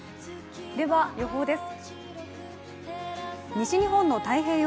では、予報です。